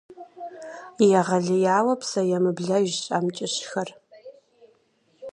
Егъэлеяуэ псэемыблэжщ амкӀыщхэр.